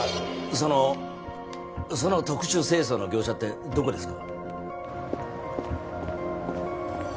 そのその特殊清掃の業者ってどこですか？